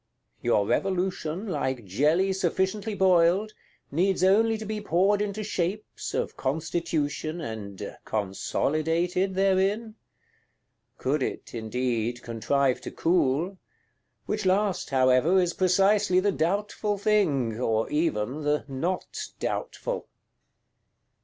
Your Revolution, like jelly sufficiently boiled, needs only to be poured into shapes, of Constitution, and "consolidated" therein? Could it, indeed, contrive to cool; which last, however, is precisely the doubtful thing, or even the not doubtful!